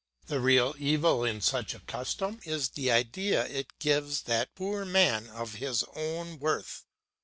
The real evil in such a custom is the idea it gives that poor man of his own worth.